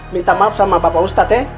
minta maaf sama bapak ustadz ya